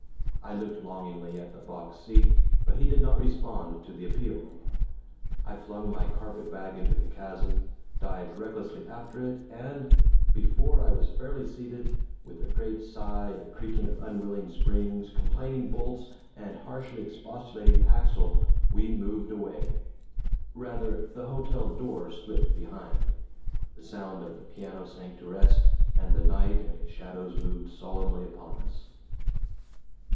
I looked longingly at the box seat, but he did not respond to the appeal. I flung my carpetbag into the chasm, dived recklessly after it, and before I was fairly seated with a great sigh, a creaking of unwilling springs, complaining bolts, and harshly expostulating axle, we moved away. Rather the hotel door slipped behind, the sound of the piano sank to rest, and the night and its shadows moved solemnly upon us.